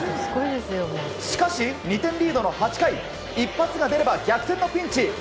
しかし２点リードの８回一発が出れば逆転のピンチ。